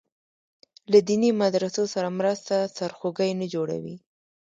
له دیني مدرسو سره مرسته سرخوږی نه جوړوي.